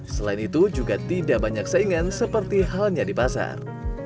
selain itu juga tidak banyak saingan seperti halnya di pasar